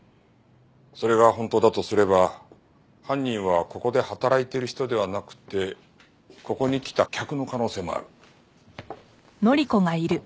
それが本当だとすれば犯人はここで働いている人ではなくてここに来た客の可能性もある。